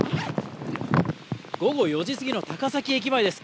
午後４時過ぎの高崎駅前です。